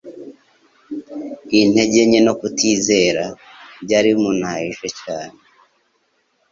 intege nke no kutizera. Byari bimunthije cyane